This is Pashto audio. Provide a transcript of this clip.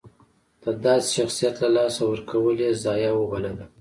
د داسې شخصیت له لاسه ورکول یې ضایعه وبلله.